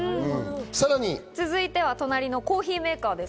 さらに、続いては隣のコーヒーメーカーです。